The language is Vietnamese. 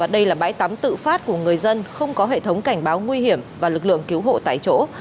đây là bãi tắm tự phát của người dân không có hệ thống cảnh báo nguy hiểm và lực lượng cứu hộ tại chỗ